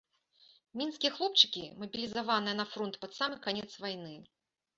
Мінскія хлопчыкі, мабілізаваныя на фронт пад самы канец вайны!